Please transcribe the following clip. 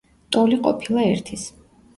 ტოლი ყოფილა ერთის.